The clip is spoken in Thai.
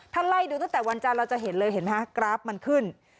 ถ้าไล่ดูตั้งแต่วันจันทร์เราจะเห็นเลยเห็นไหมฮะกราฟมันขึ้น